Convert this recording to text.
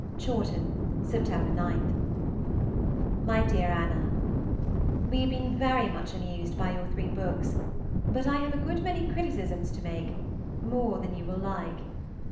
CHAWTON, Sept. 9. MY DEAR ANNA, We have been very much amused by your three books, but I have a good many criticisms to make, more than you will like.